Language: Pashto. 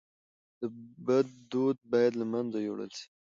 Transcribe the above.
د بد دود باید له منځه یووړل سي.